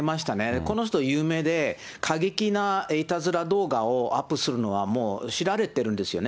この人、有名で、過激ないたずら動画をアップするのはもう知られてるんですよね。